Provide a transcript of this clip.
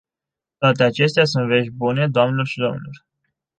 Toate acestea sunt vești bune, doamnelor și domnilor.